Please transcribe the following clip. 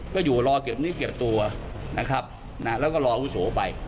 ก็อยู่รอเก็บนิเก็บตัวนะครับแล้วก็รออาวุโสไป